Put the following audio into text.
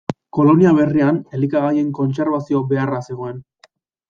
Kolonia berrian elikagaien kontserbazio beharra zegoen.